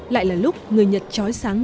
lại là lúc người nhật chói sáng